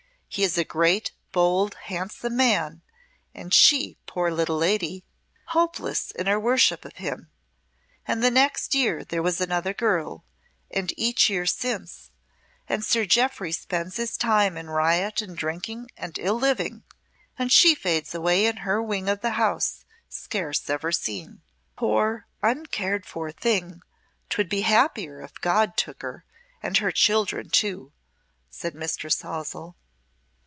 He is a great, bold, handsome man, and she, poor little lady, hopeless in her worship of him. And the next year there was another girl, and each year since and Sir Jeoffry spends his time in riot and drinking and ill living and she fades away in her wing of the house, scarce ever seen." "Poor, uncared for thing, 'twould be happier if God took her, and her children, too," said Mistress Halsell.